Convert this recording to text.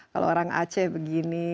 kalau orang aceh begini